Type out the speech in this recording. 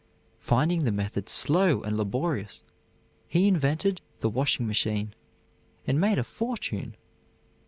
Finding the method slow and laborious, he invented the washing machine, and made a fortune.